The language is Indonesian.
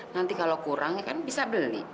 nanti kalau kurang ya kan bisa beli